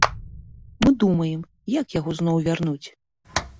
Мы думаем, як яго зноў вярнуць?